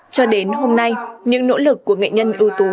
cho đến hôm nay những nỗ lực của nghệ nhân ưu tú